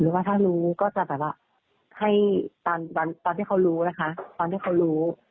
ว่าถ้ารู้ก็จะแบบว่าให้ตอนที่เขารู้นะคะตอนที่เขารู้